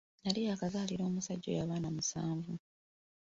Yali yaakazaalira musajja oyo abaana musanvu.